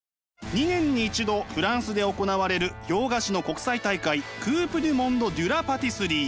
２年に一度フランスで行われる洋菓子の国際大会クープ・デュ・モンド・ドゥ・ラ・パティスリー。